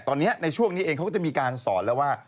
ตอนนี้ในช่วงนี้เองเขาก็จะมีการสอนแล้วว่า